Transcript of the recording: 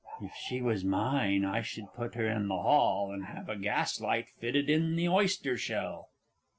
If she was mine, I should put her in the hall, and have a gaslight fitted in the oyster shell.